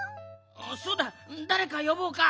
そうだだれかよぼうか？